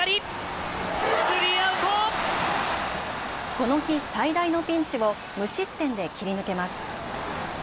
この日、最大のピンチを無失点で切り抜けます。